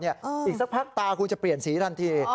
อีกสักพักตาคุณจะเปลี่ยนสีทันที